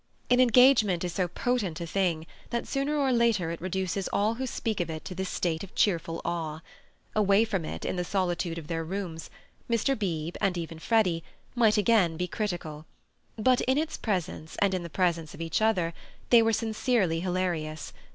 An engagement is so potent a thing that sooner or later it reduces all who speak of it to this state of cheerful awe. Away from it, in the solitude of their rooms, Mr. Beebe, and even Freddy, might again be critical. But in its presence and in the presence of each other they were sincerely hilarious.